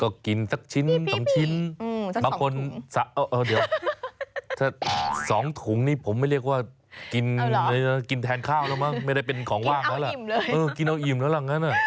ก็กินสักชิ้นสองชิ้นสองถุงนี่ผมไม่เรียกว่ากินแทนข้าวแล้วมั้งไม่ได้เป็นของว่างแล้วแหละ